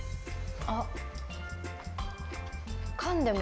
あっ。